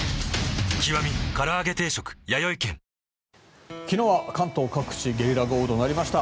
わぁ昨日は関東各地ゲリラ豪雨となりました。